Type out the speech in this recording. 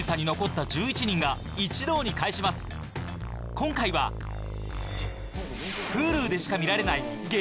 今回はＨｕｌｕでしか見られない激